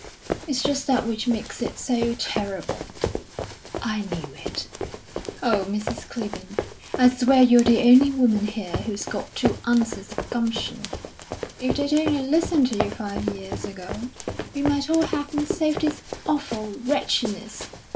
"It's just that which makes it so terrible." "I knew it." "Oh, Mrs. Clibborn, I swear you're the only woman here who's got two ounces of gumption. If they'd only listened to you five years ago, we might all have been saved this awful wretchedness."